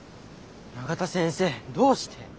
永田先生どうして？